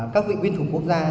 các vị nguyên thủ quốc gia